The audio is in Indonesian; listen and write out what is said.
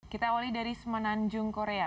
kita awali dari semenanjung korea